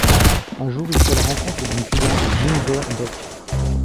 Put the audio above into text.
Un jour, il fait la rencontre d'une cliente, Guinevere Beck.